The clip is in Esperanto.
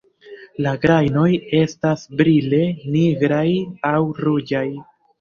La grajnoj estas brile nigraj aŭ ruĝaj.